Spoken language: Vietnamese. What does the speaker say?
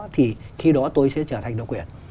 thì khi đó tôi sẽ trở thành đối quyền